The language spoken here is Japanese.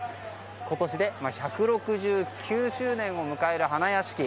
今年で１６９周年を迎える花やしき。